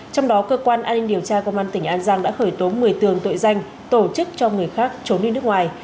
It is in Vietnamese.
trong đó cơ quan an ninh điều tra công an tỉnh an giang đã khởi tố một mươi tường tội danh tổ chức cho người khác trốn đi nước ngoài